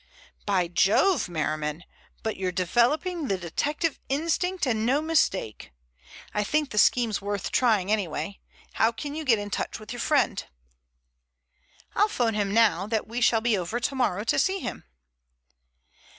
"By Jove, Merriman, but you're developing the detective instinct and no mistake! I think the scheme's worth trying anyway. How can you get in touch with your friend?" "I'll phone him now that we shall be over tomorrow to see him."